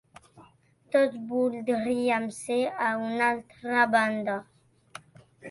Tots voldríem ser en una altra banda.